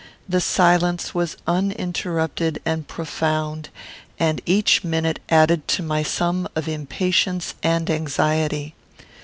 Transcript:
The silence was uninterrupted and profound, and each minute added to my sum of impatience and anxiety.